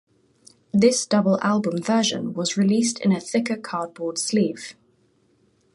This double album version was released in a thicker cardboard sleeve.